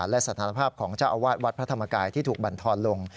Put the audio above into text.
และสถานภาพของเจ้าอาวาสวัดพระธรรมกายที่ถูกบรรทอนลง